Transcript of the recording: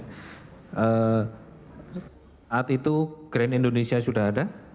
saat itu grand indonesia sudah ada